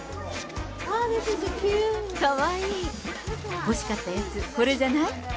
かわいい、欲しかったやつ、これじゃない？